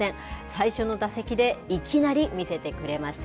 最初の打席でいきなり見せてくれました。